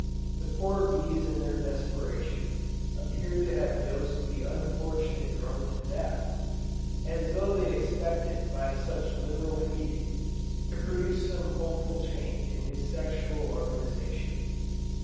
The poor bees in their desperation, appear to have dosed the unfortunate drone to death: as though they expected by such liberal feeding, to produce some hopeful change in his sexual organization!